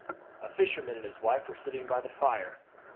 A fisherman and his wife were sitting by the fire.